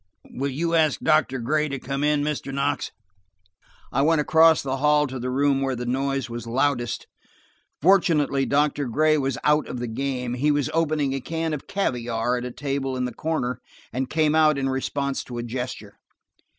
Will you ask Doctor Gray to come in, Mr. Knox?" I went across the hall to the room where the noise was loudest. Fortunately, Doctor Gray was out of the game. He was opening a can of caviare at a table in the corner and came out in response to a gesture.